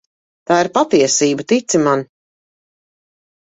Tā ir patiesība, tici man.